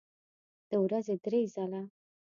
د ورځې درې ځله